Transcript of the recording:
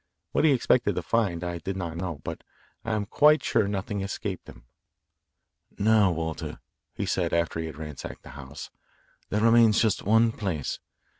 What he expected to find, I did not know, but I am quite sure nothing escaped him. "Now, Walter," he said after he had ransacked the house, "there remains just one place.